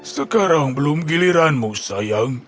sekarang belum giliranmu sayang